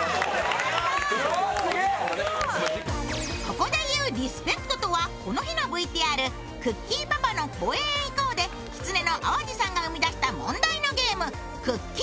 ここでいうリクエストというのはこの日のＶＴＲ、「くっきー！パパの公園へ行こう」できつねの淡路さんが生み出した問題のゲームくっきー！